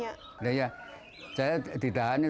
jadi saya tet elly pun ini explanasi untuk anda